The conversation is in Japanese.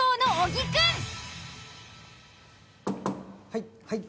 はいはい。